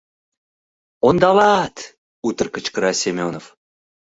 Ондалат! — утыр кычкыра Семёнов.